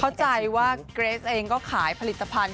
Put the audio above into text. เข้าใจว่าเกรสเองก็ขายผลิตภัณฑ์